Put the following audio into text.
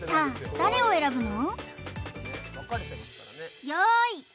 誰を選ぶの？